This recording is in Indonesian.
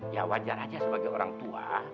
ya wajar aja sebagai orang tua